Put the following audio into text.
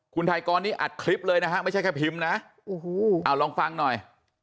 คุณไทยกรนี่อัดคลิปเลยนะฮะไม่ใช่แค่พิมพ์นะโอ้โหเอาลองฟังหน่อย